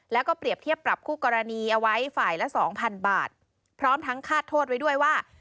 แล้วก็เปรียบเทียบปรับคู่กรณีเอาไว้ฝ่ายละสองพันบาทพร้อมทั้งคาดโทษไว้ด้วยว่า